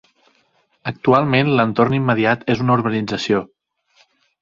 Actualment l'entorn immediat és una urbanització.